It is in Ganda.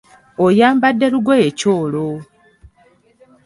Oyambadde lugoye ki olwo?